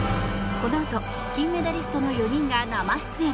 このあと、金メダリストの４人が生出演。